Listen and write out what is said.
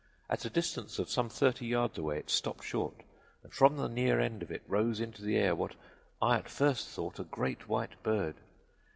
At a distance of some thirty yards away it stopped short, and from the near end of it rose into the air what I at first thought a great white bird.